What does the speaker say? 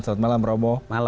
selamat malam romo